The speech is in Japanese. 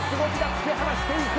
突き放していく」